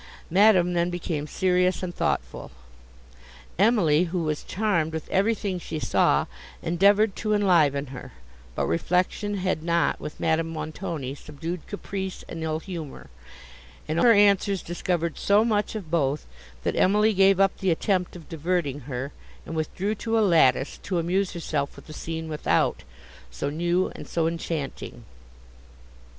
Madame then became serious and thoughtful. Emily, who was charmed with everything she saw, endeavoured to enliven her; but reflection had not, with Madame Montoni, subdued caprice and ill humour, and her answers discovered so much of both, that Emily gave up the attempt of diverting her, and withdrew to a lattice, to amuse herself with the scene without, so new and so enchanting.